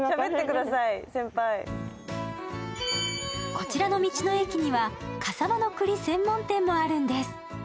こちらの道の駅には笠間のくり専門店もあるんです。